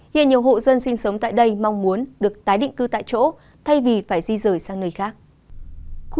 hiện nhiều hộ dân sinh sống tại đây mong muốn được tái định cư tại chỗ thay vì phải di rời sang nơi khác